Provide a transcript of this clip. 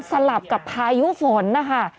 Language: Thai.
สลับกับพายุฝนนะคะ